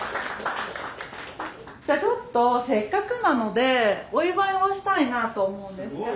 じゃちょっとせっかくなのでお祝いをしたいなと思うんですけど。